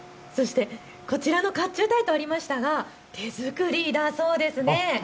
そしてこちらの甲冑隊とありましたが手作りだそうですね。